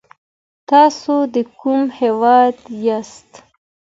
تاسو د کوم هېواد یاست ؟